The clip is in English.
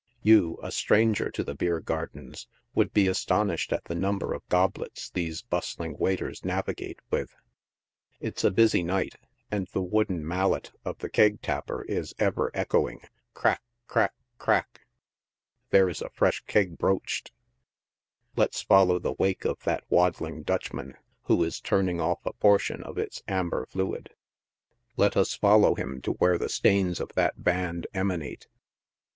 You, a stranger to the beer gardens, would be astonished at the number of goblets these bust ling waiters navigate with. It's a busy night and the wooden mal let of the keg tapper is ever echoing — crack ! crack ! crack ! there is a fresh keg broached — lets follow the wake of that waddling Dutchman, who is turning off a portion of its amber fluid — let us follow him to where the strains of that band emanate.